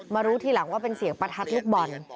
รู้ทีหลังว่าเป็นเสียงประทัดลูกบอล